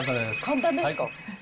簡単です。